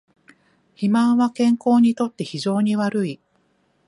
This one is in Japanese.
肥満は健康にとって非常に悪い